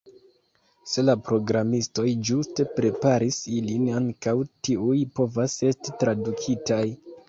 Se la programistoj ĝuste preparis ilin, ankaŭ tiuj povas esti tradukitaj.